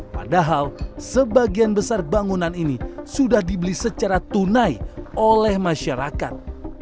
padahal sebagian besar bangunan ini sudah dibeli secara tunai oleh masyarakat